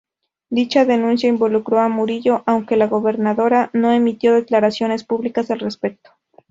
Dicha denuncia involucró a Murillo aunque la gobernadora no emitió declaraciones públicas al respecto.